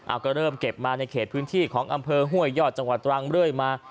เอาก็เริ่มเก็บมาในเขตพื้นที่ของอำเภอห้วยยอดจังหวัดตรังเรื่อยมา